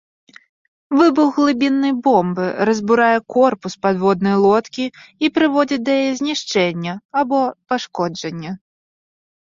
Выбух глыбіннай бомбы разбурае корпус падводнай лодкі і прыводзіць да яе знішчэння або пашкоджання.